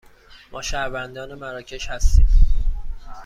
ما شهروندان مراکش هستیم.